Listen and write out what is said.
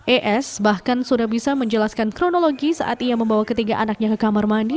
es bahkan sudah bisa menjelaskan kronologi saat ia membawa ketiga anaknya ke kamar mandi